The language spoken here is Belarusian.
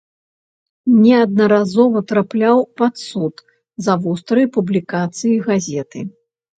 Неаднаразова трапляў пад суд за вострыя публікацыі газеты.